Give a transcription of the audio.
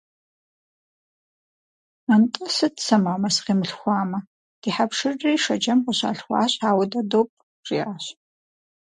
Нтӏэ сыт сэ мамэ сыкъимылъхуамэ, ди хьэпшырри Шэджэм къыщалъхуащ, ауэ дэ допӏ, - жиӏащ.